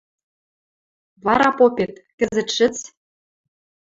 Вара попет, кӹзӹт шӹц... —